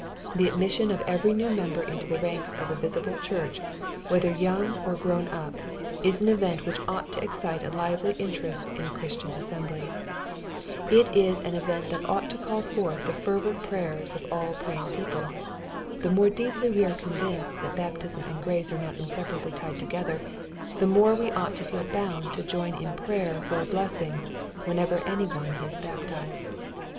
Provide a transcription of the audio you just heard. The admission of every new member into the ranks of the visible church, whether young or grown up, is an event which ought to excite a lively interest in a Christian assembly. It is an event that ought to call forth the fervent prayers of all praying people. The more deeply we are convinced that baptism and grace are not inseparably tied together, the more we ought to feel bound to join in prayer for a blessing, whenever any one is baptized.